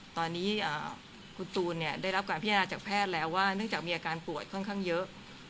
ตอนนี้คุณตูนได้รับการพิจารณาจากแพทย์แล้วว่าเนื่องจากมีอาการป่วยค่อนข้างเยอะ